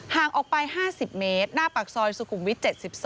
ห่างออกไป๕๐เมตรหน้าปากซอยสุขุมวิท๗๒